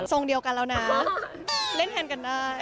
เดียวกันแล้วนะเล่นแทนกันได้